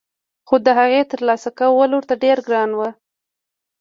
خو دهغې ترلاسه کول ورته ډېر ګران وو